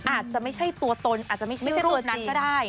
อาจจะไม่ใช่ตัวตนอาจจะไม่ใช่รูปนั้นก็ได้